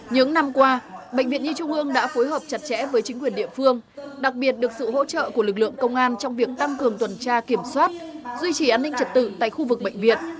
những năm qua bệnh viện nhi trung ương đã phối hợp chặt chẽ với chính quyền địa phương đặc biệt được sự hỗ trợ của lực lượng công an trong việc tăng cường tuần tra kiểm soát duy trì an ninh trật tự tại khu vực bệnh viện